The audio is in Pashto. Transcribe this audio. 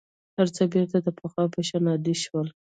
هر څه بېرته د پخوا په شان عادي شول.